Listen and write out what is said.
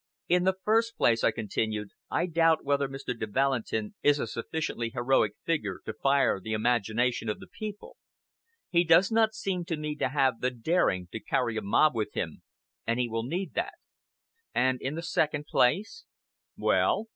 "In the first place," I continued, "I doubt whether Mr. de Valentin is a sufficiently heroic figure to fire the imagination of the people. He does not seem to me to have the daring to carry a mob with him, and he will need that. And in the second place " "Well?"